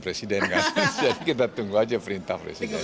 jadi kita tunggu aja perintah presidennya